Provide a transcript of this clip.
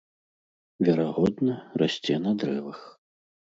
Верагодна, расце на дрэвах.